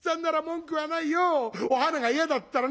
お花が嫌だったらね